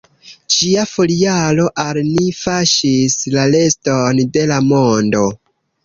Ĝia foliaro al ni kaŝis la reston de la mondo.